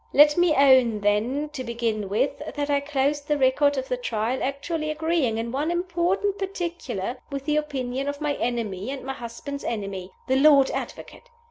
Let me own, then, to begin with, that I closed the record of the Trial actually agreeing in one important particular with the opinion of my enemy and my husband's enemy the Lord Advocate!